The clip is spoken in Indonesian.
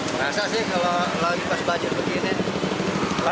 merasa sih kalau lagi pas banjir begini